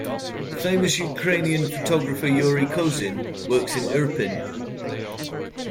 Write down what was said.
The famous Ukrainian photographer Yuri Kosin works in Irpin.